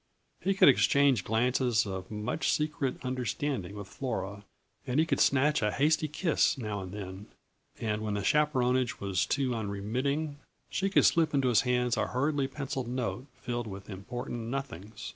He could exchange glances of much secret understanding with Flora, and he could snatch a hasty kiss, now and then, and when the chaperonage was too unremitting she could slip into his hands a hurriedly penciled note, filled with important nothings.